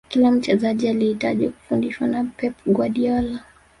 kila mchezaji alihitaji kufundishwa na pep guardiola